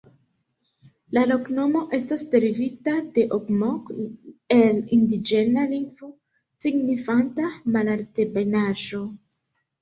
La loknomo estas derivita de ogmok el indiĝena lingvo signifanta "malaltebenaĵo".